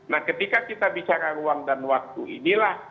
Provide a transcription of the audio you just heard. nah ketika kita bicara uang dan waktu inilah kita harus berlaku